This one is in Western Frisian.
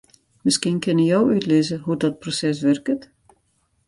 Miskien kinne jo útlizze hoe't dat proses wurket?